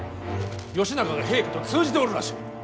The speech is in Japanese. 義仲が平家と通じておるらしい。